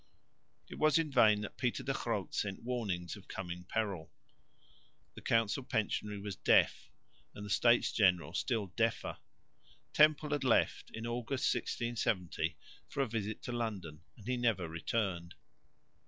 It was in vain that Pieter de Groot sent warnings of coming peril. The council pensionary was deaf, and the States General still deafer. Temple had left (August, 1670) for a visit to London, and he never returned.